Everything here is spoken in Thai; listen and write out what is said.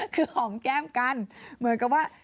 คือหอมแก้มกันเหมือนกับว่า